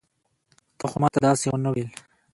تا خو ما ته داسې ونه ويل.